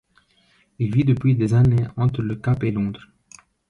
Il vit depuis des années entre Le Cap et Londres.